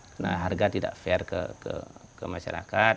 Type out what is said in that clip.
karena harga tidak fair ke masyarakat